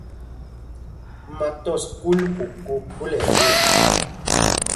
Ma tɔs kúl koko phúla ɛlwok.